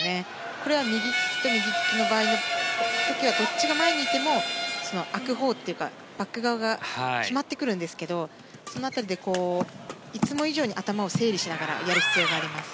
これは右利きと右利きの時の場合はどっちが前にいても空くほうというかバック側が決まってくるんですがその辺りで、いつも以上に頭を整理しながらやる必要があります。